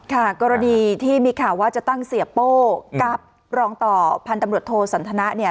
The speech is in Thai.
กรณีที่มีข่าวว่าจะตั้งเสียโป้กับรองต่อพันธุ์ตำรวจโทสันทนะเนี่ย